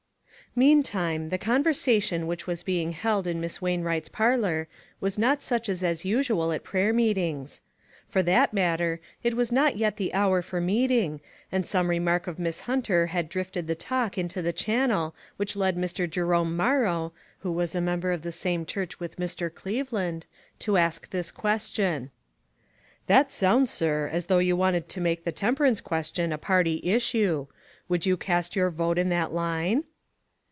MEANTIME the conversation which was being held in Miss Wainvvright's parlor was not such as is usual at prayer meetings. For that matter, it was not yet the hour for meeting, and some remark of Miss Hunter had drifted the talk into the channel which led Mr. Jerome Morrow, who was a member of the same church with Mr. Cleveland,, to ask this question : "That sounds, sir, as though you wanted to make the temperance question a party issue. Would you cast your vote in that line